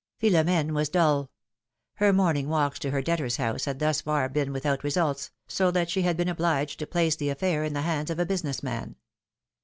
Philom^ne was dull; her morning walks to her debtor's house had thus far been without results, so that she had been obliged to place the affair in the hands of a business man.